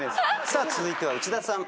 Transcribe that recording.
さあ続いては内田さん。